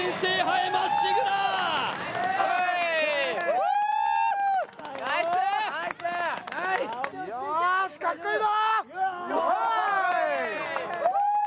よーし、かっこいいぞ！